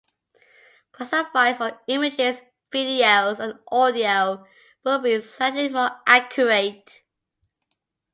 Classifiers for images, videos and audio will be slightly more accurate.